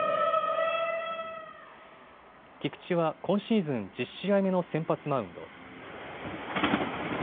菊池は今シーズン１０試合目の先発マウンド。